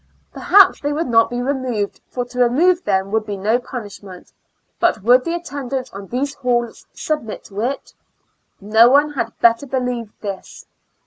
Perhaps they would not be removed, for to remove them would be no punishment; but would the attendants on these halls submit to it ? No one had better believe this.